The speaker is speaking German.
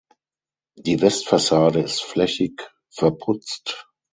Die Westfassade ist flächig verputzt.